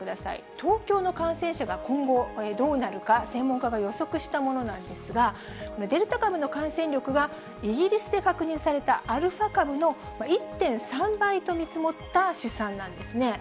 東京の感染者が今後どうなるか、専門家が予測したものなんですが、デルタ株の感染力がイギリスで確認されたアルファ株の１．３倍と見積もった試算なんですね。